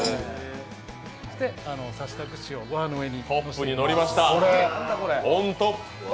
そして、刺した串をごはんの上に。